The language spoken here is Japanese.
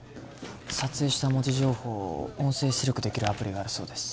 撮影した文字情報を音声出力できるアプリがあるそうです